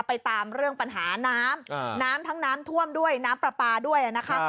ไปตามเรื่องปัญหาน้ำน้ำทั้งน้ำท่วมด้วยน้ำปลาปลาด้วยนะคะ